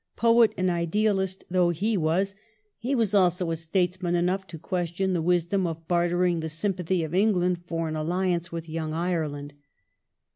Poet and idealist though he was, he was also statesman enough to question the wisdom of bartering the sympathy of England for an alliance with "Young Ireland